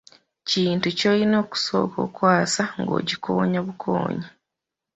Kintu ky’olina okusooka okwasa ng’okikoona bukoonyi.